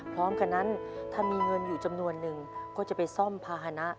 พร้อมกันนั้นถ้ามีเงินอยู่จำนวนนึงก็จะไปซ่อมภาษณะ